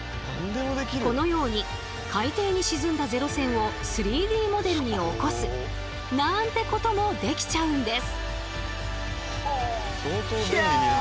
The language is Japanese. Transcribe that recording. このように海底に沈んだ零戦を３Ｄモデルに起こすなんてこともできちゃうんです。